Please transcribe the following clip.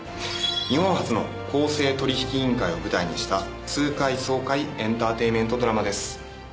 日本初の公正取引委員会を舞台にした痛快爽快エンターテインメントドラマです。